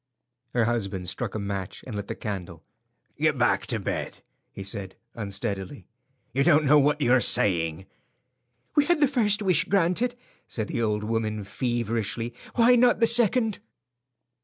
Her husband struck a match and lit the candle. "Get back to bed," he said, unsteadily. "You don't know what you are saying." "We had the first wish granted," said the old woman, feverishly; "why not the second?"